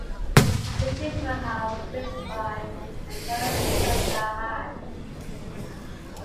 The Sheesh Mahal was built by Emperor Shah Jahan.